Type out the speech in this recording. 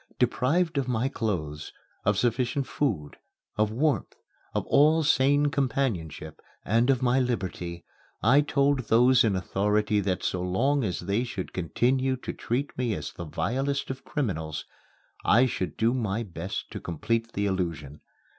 Deprived of my clothes, of sufficient food, of warmth, of all sane companionship and of my liberty, I told those in authority that so long as they should continue to treat me as the vilest of criminals, I should do my best to complete the illusion.